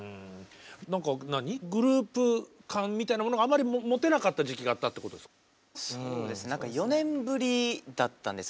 何かグループ感みたいなものがあまり持てなかった時期があったってことですか？